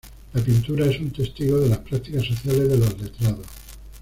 La pintura es un testigo de las prácticas sociales de los letrados.